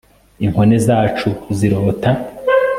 inkone zacu zirota